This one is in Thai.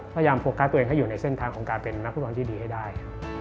พยายามโฟกัสตัวเองให้อยู่ในเส้นทางของการเป็นนักฟุตบอลที่ดีให้ได้